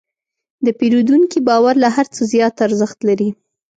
د پیرودونکي باور له هر څه زیات ارزښت لري.